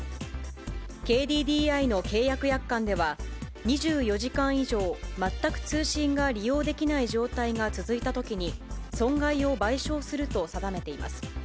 ＫＤＤＩの契約約款では、２４時間以上、全く通信が利用できない状態が続いたときに、損害を賠償すると定めています。